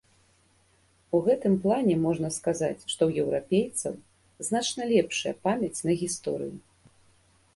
У гэтым плане можна сказаць, што ў еўрапейцаў значна лепшая памяць на гісторыю.